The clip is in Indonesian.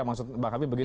maksud bang habib begitu